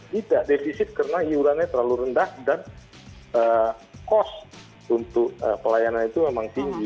tidak defisit karena iurannya terlalu rendah dan cost untuk pelayanan itu memang tinggi